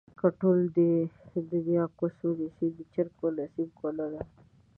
که ټوله دنياکوس ونسي ، د چرگ په نصيب کونه ده